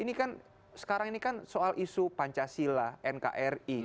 ini kan sekarang ini kan soal isu pancasila nkri